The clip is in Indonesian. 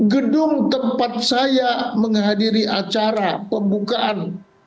gedung tempat saya menghadiri acara pembukaan